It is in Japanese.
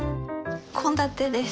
献立です。